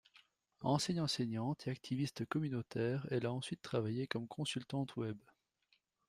Ancienne enseignante et activiste communautaire elle a ensuite travaillé comme consultante web.